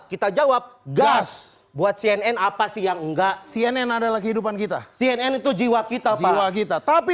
kita jawab gas buat cnn apa siang enggak cnn adalah kehidupan kita cnn itu jiwa kita tapi